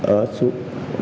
ở sài gòn